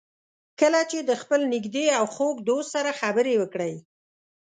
کله چې د خپل نږدې او خوږ دوست سره خبرې وکړئ.